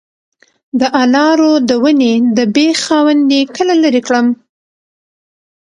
د انارو د ونې د بیخ خاوندې کله لرې کړم؟